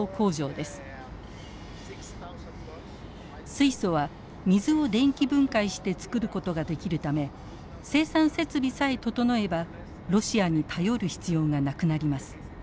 水素は水を電気分解して作ることができるため生産設備さえ整えばロシアに頼る必要がなくなります。